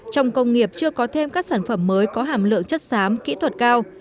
trong công nghiệp chưa có thêm các sản phẩm mới có hàm lượng chất xám kỹ thuật cao